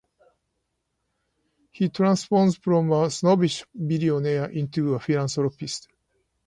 He transforms from a snobbish billionaire into a philanthropist.